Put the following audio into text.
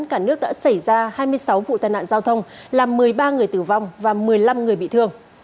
cả nước đã xảy ra hai mươi sáu vụ tai nạn giao thông làm một mươi ba người tử vong và một mươi năm người bị thương